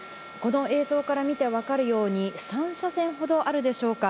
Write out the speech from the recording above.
この映像から見てもわかるように、３車線ほどあるでしょうか。